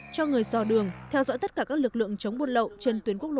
cho người so đường theo dõi tất cả các lực lượng chống buôn lậu trên tuyến quốc lộ chín